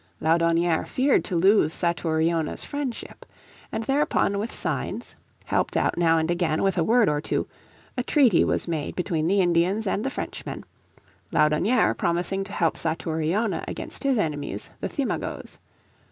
Laudonnière feared to lose Satouriona's friendship. And thereupon with signs, helped out now and again with a word or two, a, treaty was made between the Indians and the Frenchmen, Laudonnière promising to help Satouriona against his enemies, the Thimagoes.